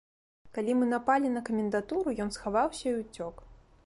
Калі мы напалі на камендатуру, ён схаваўся і ўцёк.